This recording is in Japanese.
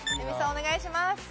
お願いします。